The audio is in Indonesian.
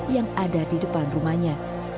yang ada di depan rumahnya